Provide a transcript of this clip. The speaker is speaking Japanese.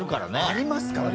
ありますからね。